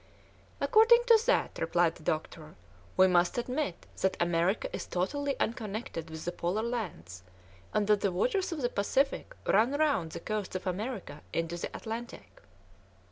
"According to that," replied the doctor, "we must admit that America is totally unconnected with the Polar lands, and that the waters of the Pacific run round the coasts of America into the Atlantic.